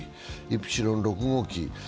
「イプシロン６号機」